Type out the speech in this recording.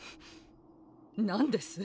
何です？